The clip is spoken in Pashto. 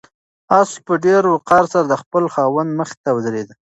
آس په ډېر وقار سره د خپل خاوند مخې ته ودرېد.